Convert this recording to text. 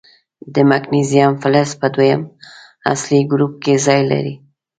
د مګنیزیم فلز په دویم اصلي ګروپ کې ځای لري.